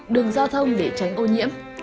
đường giao thông để tránh ô nhiễm